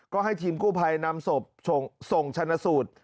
ก็ให้ทีมกู้ภัยนำศพส่งชนะสูตร